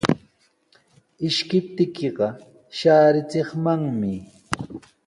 Ishkiptiiqa shaarichimanmi.